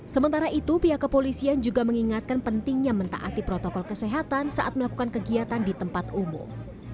sementara itu pihak kepolisian juga mengingatkan pentingnya mentaati protokol kesehatan saat melakukan kegiatan di tempat umum